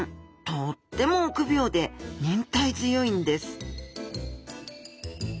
とっても臆病で忍耐強いんです